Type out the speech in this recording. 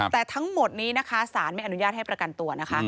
แต่ทั้งหมดนี้สารไม่อนุญาตให้ประกันตัว